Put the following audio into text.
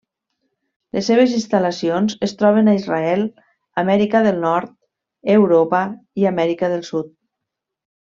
Les seves instal·lacions es troben a Israel, Amèrica del Nord, Europa i Amèrica del Sud.